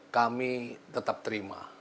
kami tetap terima